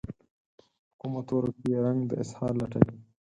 په کومو تورو کې رنګ د اظهار لټوي